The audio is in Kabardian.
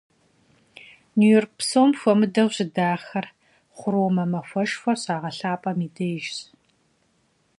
Нью-Йорк псом хуэмыдэу щыдахэр Хъуромэ махуэшхуэр щагъэлъапӀэм и дежщ.